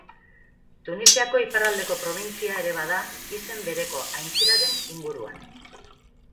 Tunisiako iparraldeko probintzia ere bada, izen bereko aintziraren inguruan.